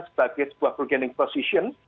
sebagai sebuah bargaining position